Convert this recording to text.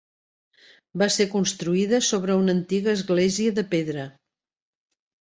Va ser construïda sobre una antiga església de pedra.